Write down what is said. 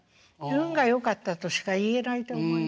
運がよかったとしか言えないと思います。